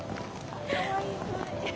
かわいい。